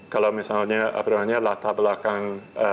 kalau misalnya latar belakang